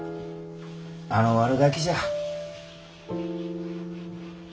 あの悪ガキじゃ。